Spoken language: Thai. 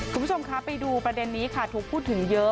คุณผู้ชมคะไปดูประเด็นนี้ค่ะถูกพูดถึงเยอะ